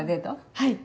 はい。